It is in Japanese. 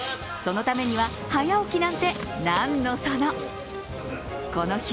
そのためには早起きなんて、なんのその。